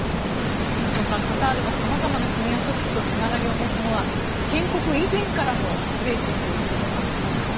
西野さん、カタールが様々な国や組織とつながりを持つのは建国以前からの精神ということでしょうか？